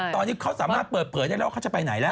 ตอนนี้เขาสามารถเปิดเผยได้แล้วว่าเขาจะไปไหนแล้ว